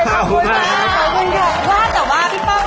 ว่าจะว่าพี่ป้อง